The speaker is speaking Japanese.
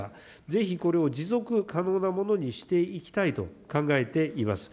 ぜひ、これを持続可能なものにしていきたいと考えています。